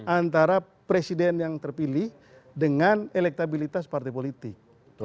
antara presiden yang terpilih dengan elektabilitas partai politik